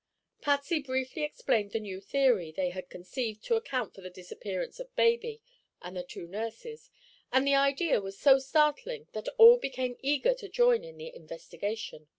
Patsy briefly explained the new theory they had conceived to account for the disappearance of baby and the two nurses, and the idea was so startling that all became eager to join in the investigation.